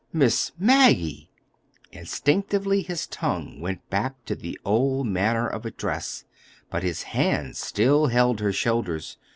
"Miss Maggie!" Instinctively his tongue went back to the old manner of address, but his hands still held her shoulders.